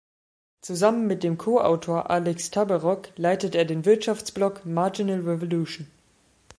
Zusammen mit Co-Autor Alex Tabarrok leitet er den Wirtschaftsblog „Marginal Revolution“.